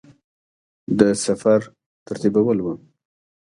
د سفر ترتیبول وه.